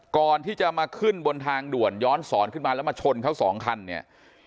ก่อนที่จะมาขึ้นบนทางด่วนย้อนสอนขึ้นมาแล้วมาชนเขาสองคันเนี่ย